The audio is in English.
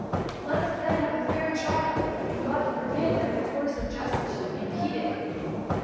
Let us then have a fair trial, and Grod forbid that the course Qf justice should be impeded